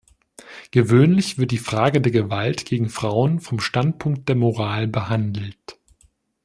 Gewöhnlich wird die Frage der Gewalt gegen Frauen vom Standpunkt der Moral behandelt.